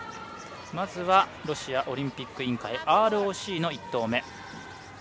まず、ロシアオリンピック委員会ＲＯＣの１投目。